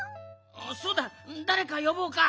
そうだだれかよぼうか？